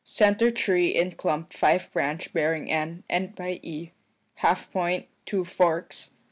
Centre tree in clump 5 branch bearing N. and by E. 1/2 point, two forks.